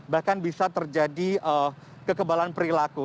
bahkan bisa terjadi kekebalan perilaku